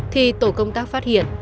thì tổ công tác phát hiện